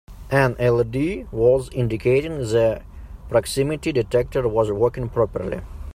An LED was indicating the proximity detector was working properly.